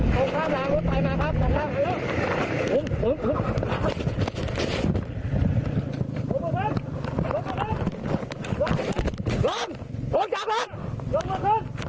ลงทางล้างรถไฟมาครับลงล่างลงลงลง